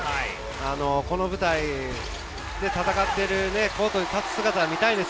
この舞台で戦っているコートに立つ姿を見たいです。